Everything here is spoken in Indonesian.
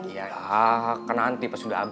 ini tidak paham